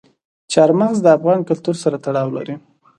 چار مغز د افغان کلتور سره تړاو لري.